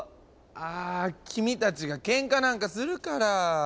あぁ君たちがけんかなんかするから。